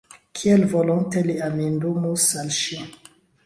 Kiel volonte li amindumus al ŝi!